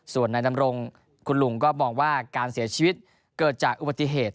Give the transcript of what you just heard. ส่วนนายดำรงคุณลุงก็มองว่าการเสียชีวิตเกิดจากอุบัติเหตุ